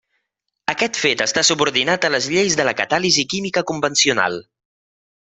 Aquest fet està subordinat a les lleis de la catàlisi química convencional.